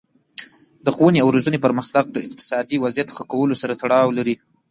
د ښوونې او روزنې پرمختګ د اقتصادي وضعیت ښه کولو سره تړاو لري.